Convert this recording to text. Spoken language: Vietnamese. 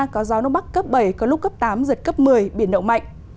có gió nông bắc cấp bảy có lúc cấp tám giật cấp một mươi biển động mạnh